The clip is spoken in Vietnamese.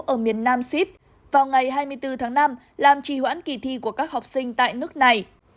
ở miền nam siết vào ngày hai mươi bốn tháng năm làm trì hoãn kỳ thi của các học sinh tại nước này